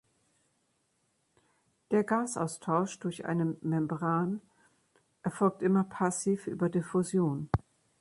Der Gasaustausch durch eine Membran erfolgt immer passiv über Diffusion.